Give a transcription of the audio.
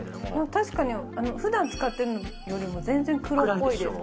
確かに普段使ってるのよりも全然黒っぽいです。